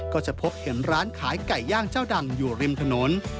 ก็จะพบเห็นร้านขายไก่ย่างเจ้าดังอยู่ริมถนน